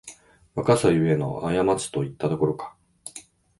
若さゆえのあやまちといったところか